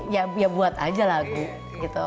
ya ya buat aja lagu gitu